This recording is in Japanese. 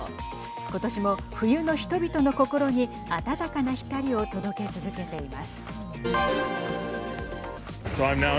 今年も冬の人々の心に暖かな光を届け続けています。